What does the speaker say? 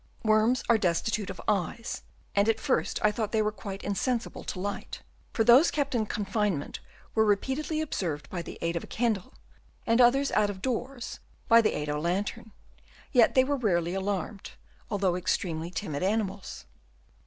— Worms are destitute of eyes, and at first I thought that they were quite in sensible to light; for those kept in confine ment were repeatedly observed by the aid of a candle, and others out of doors by the aid of a lantern, yet they were rarely alarmed, although extremely timid animals.